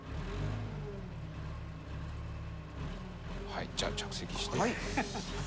はいじゃあ着席して。